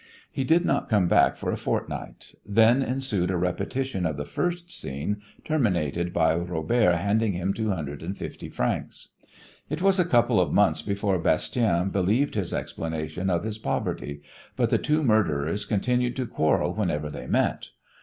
He did not come back for a fortnight. Then ensued a repetition of the first scene, terminated by Robert handing him two hundred and fifty francs. It was a couple of months before Bastien believed his explanation of his poverty, but the two murderers continued to quarrel whenever they met.